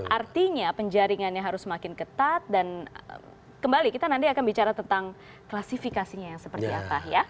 artinya penjaringannya harus semakin ketat dan kembali kita nanti akan bicara tentang klasifikasinya yang seperti apa ya